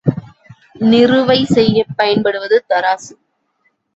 நிறுவை செய்யப் பயன்படுவது தராசு.